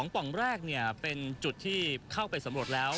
ป่องแรกเป็นจุดที่เข้าไปสำรวจแล้ว